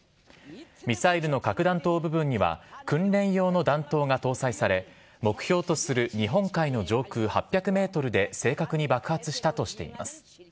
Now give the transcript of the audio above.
ミサイルの核弾頭部分には、訓練用の弾頭が搭載され、目標とする日本海の上空８００メートルで正確に爆発したとしています。